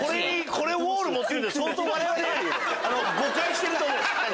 これウォール持ってくるの相当われわれ誤解してると思う。